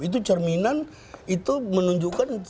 itu cerminan itu menunjukkan